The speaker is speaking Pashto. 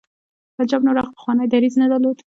پنجاب نور هغه پخوانی دریځ نه درلود.